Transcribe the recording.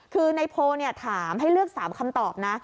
คือในโพลถามให้เลือก๓คำตอบนะ